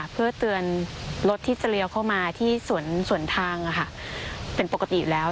เพื่อเตือนรถที่จะเลี้ยวเข้ามาที่สวนทางเป็นปกติอยู่แล้ว